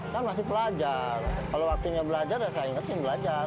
kan masih belajar kalau waktunya belajar saya ingatnya belajar